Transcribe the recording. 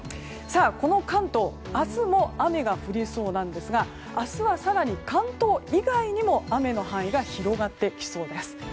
この関東、明日も雨が降りそうなんですが明日は更に関東以外にも雨の範囲が広がってきそうです。